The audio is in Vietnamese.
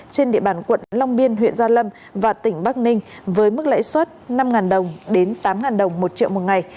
trên địa bàn quận long biên huyện gia lâm và tỉnh bắc ninh với mức lãi suất năm đồng đến tám đồng một triệu một ngày